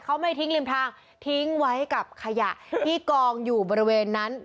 เขาไม่ทิ้งริมทางทิ้งไว้กับขยะที่กองอยู่บริเวณนั้น